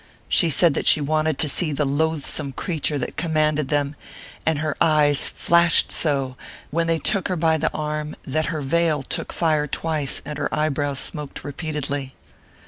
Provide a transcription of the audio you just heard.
She said that she wanted to see the loathsome creature that commanded them, and her eyes flashed so when they took her by the arm, that her vail took fire twice, and her eyebrows smoked repeatedly.